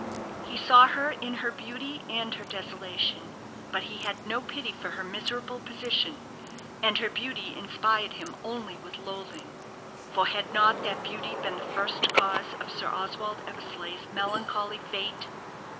He saw her in her beauty and her desolation; but he had no pity for her miserable position, and her beauty inspired him only with loathing; for had not that beauty been the first cause of Sir Oswald Eversleigh's melancholy fate?